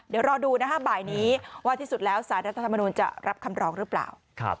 เดี๋ยวรอดูนะฮะบ่ายนี้ว่าที่สุดแล้วสารรัฐธรรมนุนจะรับคำร้องหรือเปล่า